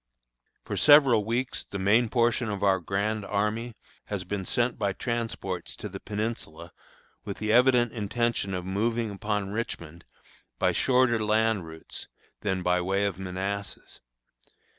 For several weeks the main portion of our grand army has been sent by transports to the Peninsula, with the evident intention of moving upon Richmond by shorter land routes than by way of Manassas.